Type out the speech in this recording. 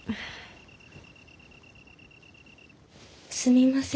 すみません